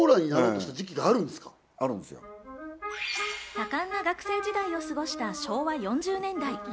多感な学生時代を過ごした昭和４０年代。